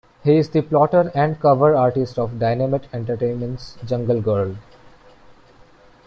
He is the plotter and cover artist of Dynamite Entertainment's "Jungle Girl".